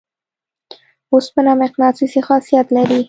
اوسپنه مقناطیسي خاصیت لري.